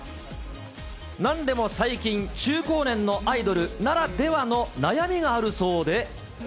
なんでも最近、中高年のアイドルならではの悩みがあるそうで。